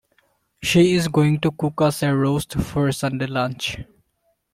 She is going to cook us a roast for Sunday lunch